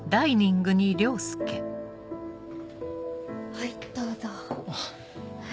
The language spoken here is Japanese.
はいどうぞ。